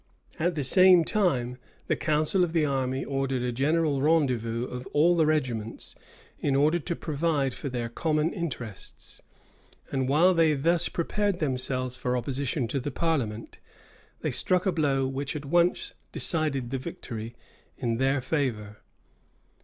487. At the same time, the council of the army ordered a general rendezvous of all the regiments, in order to provide for their common interests. And while they thus prepared themselves for opposition to the parliament, they struck a blow which at once decided the victory in their favor.